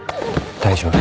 大丈夫。